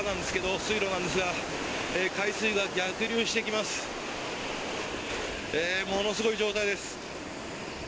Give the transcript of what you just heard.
ものすごい状態です。